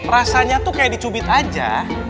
rasanya tuh kayak dicubit aja